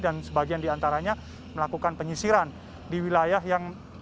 dan sebagian di antaranya melakukan penyisiran di wilayah yang